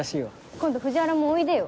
今度藤原もおいでよ。